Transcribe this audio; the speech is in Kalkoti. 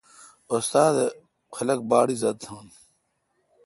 استاد دے خلق باڑ عزت تھان۔